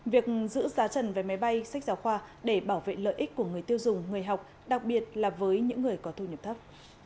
việc giữ giá trần vé máy bay sách giáo khoa để bảo vệ lợi ích của người tiêu dùng người học đặc biệt là với những người có thu nhập thấp